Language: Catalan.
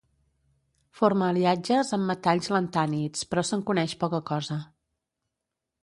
Forma aliatges amb metalls lantànids però se'n coneix poca cosa.